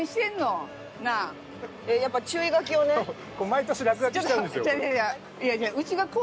毎年落書きしちゃうんですよ。